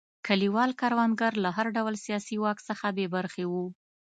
کلیوال کروندګر له هر ډول سیاسي واک څخه بې برخې وو.